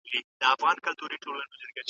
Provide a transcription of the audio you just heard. د صنعتي کيدو لپاره باید نوي پلانونه جوړ سي.